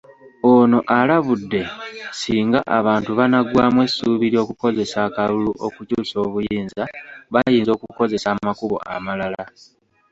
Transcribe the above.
Ono alabudde, singa abantu banaggwaamu essuubi ly'okukozesa akalulu okukyusa obuyinza, bayinza okukozesa amakubo amalala.